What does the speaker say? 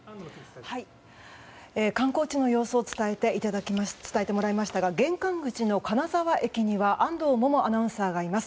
観光地の様子を伝えてもらいましたが玄関口の金沢駅には安藤萌々アナウンサーがいます。